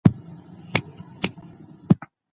د باران اوبه د ځمکې دوړې پاکوي.